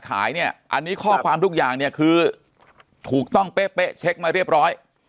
เนี่ยอันนี้ข้อความทุกอย่างเนี่ยคือถูกต้องเป๊ะเช็คมาเรียบร้อย